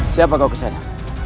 siapa kau kesana